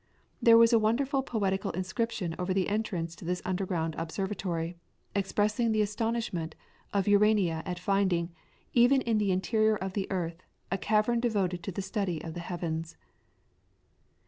There was a wonderful poetical inscription over the entrance to this underground observatory, expressing the astonishment of Urania at finding, even in the interior of the earth, a cavern devoted to the study of the heavens.